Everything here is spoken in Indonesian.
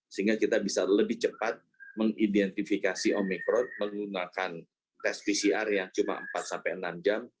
sehingga kita bisa lebih cepat mengidentifikasi omikron menggunakan tes pcr yang cuma empat sampai enam jam